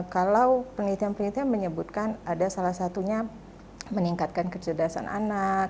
kalau penelitian penelitian menyebutkan ada salah satunya meningkatkan kecerdasan anak